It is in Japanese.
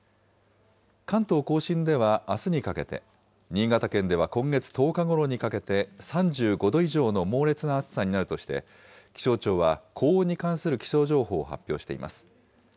関東甲信ではあすにかけて、新潟県では今月１０日ごろにかけて、３５度以上の猛烈な暑さになるとして、気象庁は高温に関する気象情報を発表しています。